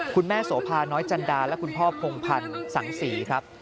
คุณแม่โสภาน้อยจันดาและคุณพ่อพงพันธ์สังศรีครับ